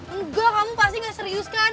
enggak kamu pasti gak serius kan